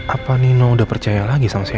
apa nino udah percaya lagi sama si elsa